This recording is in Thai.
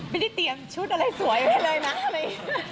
ไม่ได้เตรียมชุดอะไรสวยให้เลยนะอะไรอย่างนี้